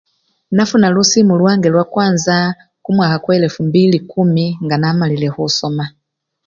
Nafuna lusimu lwange lwakwanza kumwakha kwa elefu mbili kumi nga namalile khusoma.